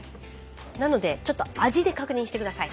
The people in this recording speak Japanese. なのでちょっと味で確認して下さい。